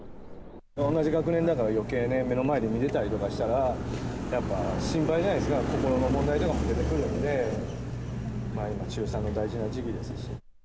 同じ学年なので、よけいね、目の前で見てたりしてたら、やっぱ心配じゃないですか、心の問題とかも出てくるので、今、中３の大事な時期ですし。